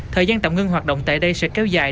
thời gian tạm ngưng hoạt động tại đây sẽ kéo dài